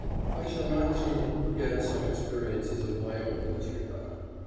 I shall not soon forget some experiences of my own in this regard.